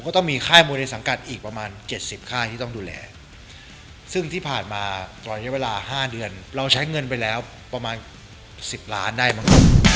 ที่ต้องดูแลซึ่งที่ผ่านมาตอนนี้เวลา๕เดือนเราใช้เงินไปแล้วประมาณ๑๐ล้านได้มั้ง